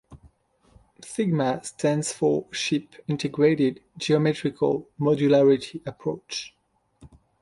Sigma stands for Ship Integrated Geometrical Modularity Approach.